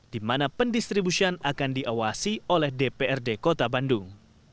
di mana pendistribusian akan diawasi oleh dprd kota bandung